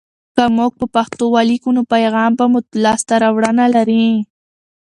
که موږ په پښتو ولیکو، نو پیغام به مو لاسته راوړنه لري.